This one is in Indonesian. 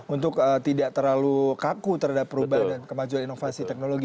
untuk tidak terlalu kaku terhadap perubahan dan kemajuan inovasi teknologi